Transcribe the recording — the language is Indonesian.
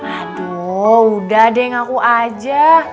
aduh udah deng aku aja